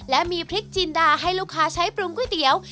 และมีพริกจินดาให้ลูกค้าใช้ปรุงก๋วยเตี๋ยว